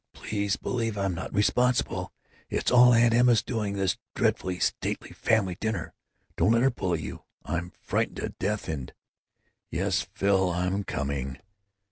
Please believe I'm not responsible. It's all Aunt Emma's doing, this dreadfully stately family dinner. Don't let her bully you. I'm frightened to death and——Yes, Phil, I'm coming."